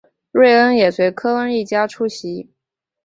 瑞恩也随科恩一家出席。